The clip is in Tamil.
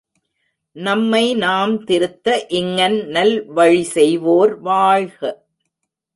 நம்மைநாம் திருத்த இங்ஙன் நல்வழி செய்வோர் வாழ்க!